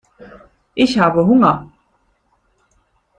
Ich habe Hunger.